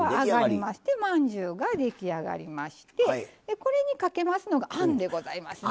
まんじゅうが出来上がりましてこれに、かけますのがあんでございますね。